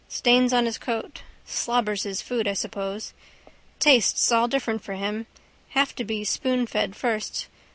Stains on his coat. Slobbers his food, I suppose. Tastes all different for him. Have to be spoonfed first.